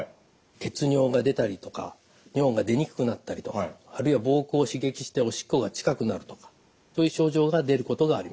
血尿が出たりとか尿が出にくくなったりとかあるいは膀胱を刺激しておしっこが近くなるとかという症状が出ることがあります。